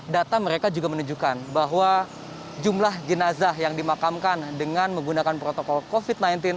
data mereka juga menunjukkan bahwa jumlah jenazah yang dimakamkan dengan menggunakan protokol covid sembilan belas